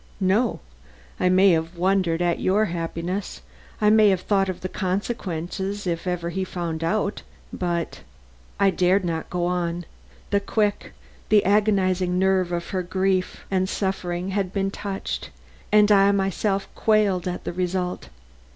"No; I may have wondered at your happiness; I may have thought of the consequences if ever he found out, but " I dared not go on; the quick, the agonizing nerve of her grief and suffering had been touched and I myself quailed at the result.